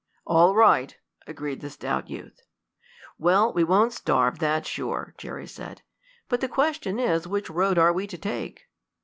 "All right," agreed the stout youth. "Well, we won't starve, that's sure," Jerry said. "But the question is which road are we to take?"